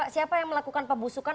siapa yang melakukan pembusukan